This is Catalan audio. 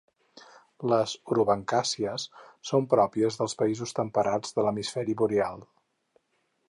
Les orobancàcies són pròpies dels països temperats de l'hemisferi boreal.